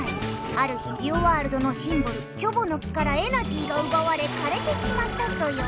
ある日ジオワールドのシンボルキョボの木からエナジーがうばわれかれてしまったソヨ。